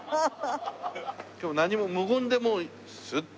今日何も無言でもうスッと。